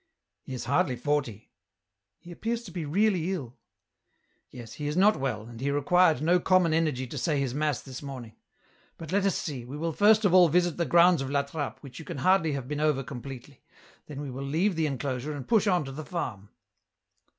"He is hardly forty." " He appears to be really ill." " Yes, he is not well, and he required no common energy to say his mass this morning ; but let us see, we will first of all visit the grounds of La Trappe which you can hardly have been over completely, then we will leave the enclosure and push on to the farm."